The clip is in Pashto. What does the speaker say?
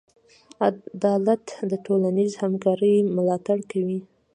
عدالت د ټولنیز همکارۍ ملاتړ کوي.